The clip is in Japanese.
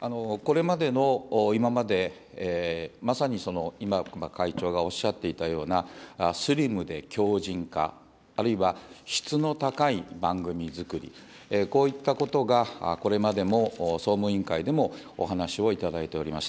これまでの、今まで、まさに今、会長がおっしゃっていたような、スリムで強じん化、あるいは質の高い番組作り、こういったことが、これまでも総務委員会でもお話をいただいておりました。